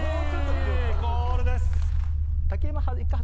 ゴールです。